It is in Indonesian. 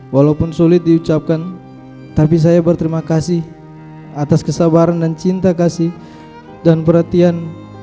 walaupun sulit diucapkan tapi saya berterima kasih atas kesabaran dan cinta kasih dan perhatian